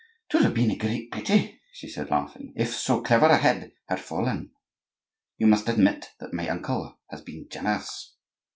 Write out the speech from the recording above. "'Twould have been a great pity," she said laughing, "if so clever a head had fallen; you must admit that my uncle has been generous."